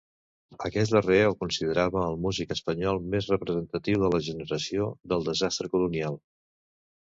Aquest darrer el considerava el músic espanyol més representatiu de la generació del desastre colonial.